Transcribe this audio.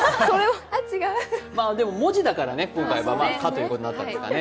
文字だから、今回はカということになったんですかね。